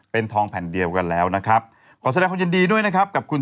เป็นทองแผ่นเดียวกันแล้วนะครับขอแสดงความยินดีด้วยนะครับกับคุณ